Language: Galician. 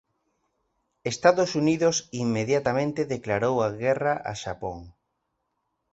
Estados Unidos inmediatamente declarou a guerra a Xapón.